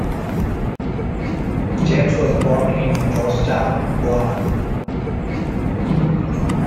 James was born in Georgetown, Guyana.